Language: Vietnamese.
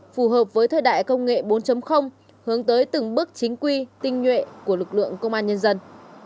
phù hợp với thời đại công nghệ bốn hướng tới từng bước chính quy tinh nhuệ của lực lượng công an nhân dân